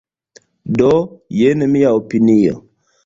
Do jen mia opinio.